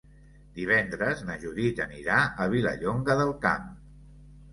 Divendres na Judit anirà a Vilallonga del Camp.